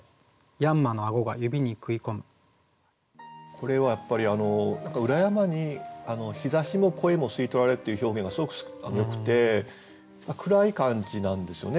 これはやっぱり「裏山に日射しも声も吸いとられ」っていう表現がすごくよくて暗い感じなんですよね